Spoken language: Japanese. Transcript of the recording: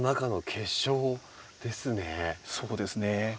そうですね。